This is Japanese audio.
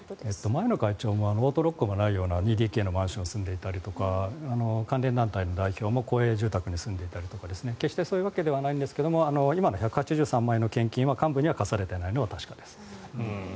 前の会長もオートロックもないような２ＤＫのマンションに住んでいたような関連団体の会長も公営住宅に住んでいたりとか決してそういうわけじゃないんですが今の１８３万円の献金は幹部には課されていないのは確かです。